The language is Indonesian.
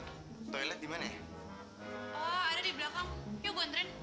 toilet dimana ada di belakang